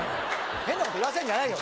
変なこと言わせんじゃないよ。